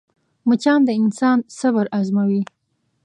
مچان د انسان صبر ازموي